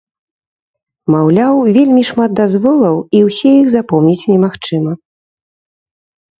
Маўляў, вельмі шмат дазволаў і ўсе іх запомніць немагчыма.